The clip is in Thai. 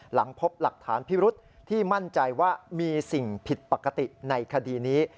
หลังพบหลักฐานพิรุษที่มั่นใจว่ามีสิ่งผิดปกติในคดีนี้